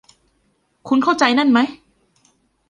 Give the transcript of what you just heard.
คุณเข้าใจนั่นไหม